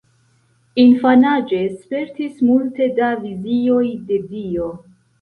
Infanaĝe spertis multe da vizioj de Dio.